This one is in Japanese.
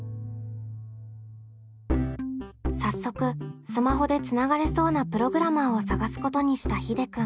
早速スマホでつながれそうなプログラマーを探すことにしたひでくん。